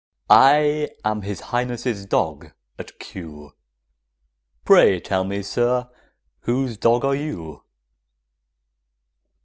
I am His Highness' dog at Kew; Pray tell me, sir, whose dog are you?